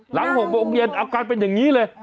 หลัง๖โมงเย็นอาการเป็นอย่างนี้เลย